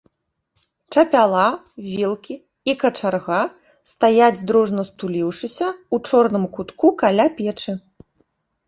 Чапяла, вілкі і качарга стаяць, дружна стуліўшыся, у чорным кутку каля печы.